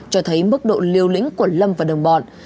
cho thấy mức độ liều lĩnh của lâm và đồng bọn